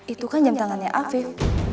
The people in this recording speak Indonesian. itu kan jam tangannya afif